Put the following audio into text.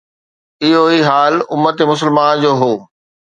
اهو ئي حال امت مسلمه جو هو.